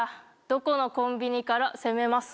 どこのコンビニから攻めます？